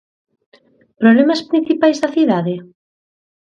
Problemas principais da cidade?